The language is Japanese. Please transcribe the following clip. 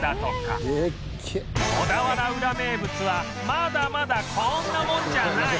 小田原ウラ名物はまだまだこんなもんじゃない！